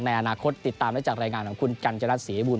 ในอนาคตติดตามได้จากรายงานของคุณกัญญาณสีบูร